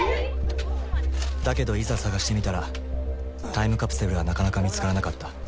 だけどいざ探してみたらタイムカプセルはなかなか見つからなかった。